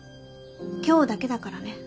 今日だけだからね。